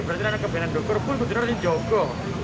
berarti karena kelebihan dokur pun benar benar di jokoh